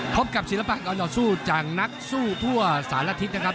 พบกับศิลปะออนออสู้จากนักสู้ทั่วสารทิศนะครับ